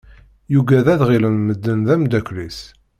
Yuggad ad ɣilen medden d ameddakel-is.